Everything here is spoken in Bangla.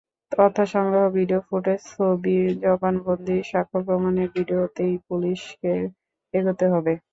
তথ্য সংগ্রহ, ভিডিও ফুটেজ, ছবি, জবানবন্দি, সাক্ষ্য-প্রমাণের ভিত্তিতেই পুলিশকে এগোতে হবে।